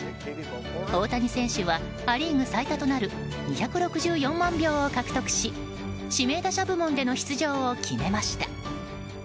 大谷選手はア・リーグ最多となる２６４万票を獲得し指名打者部門での出場を決めました。